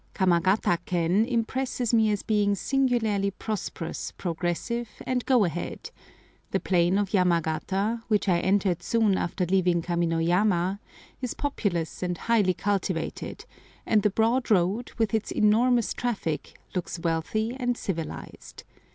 Yamagata ken impresses me as being singularly prosperous, progressive, and go ahead; the plain of Yamagata, which I entered soon after leaving Kaminoyama, is populous and highly cultivated, and the broad road, with its enormous traffic, looks wealthy and civilised.